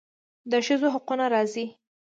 د ښځو د حقونو راځي.